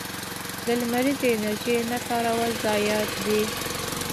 د لمریزې انرژۍ نه کارول ضایعات دي.